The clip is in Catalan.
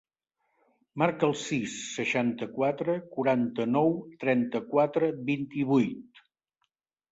Marca el sis, seixanta-quatre, quaranta-nou, trenta-quatre, vint-i-vuit.